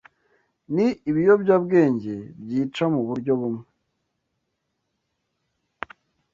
Ni ibiyobyabwenge, byica mu buryo bumwe